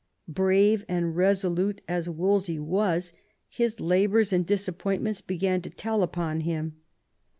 Brave and resolute as Wolsey was, his labours and disappointments began to tell upon him.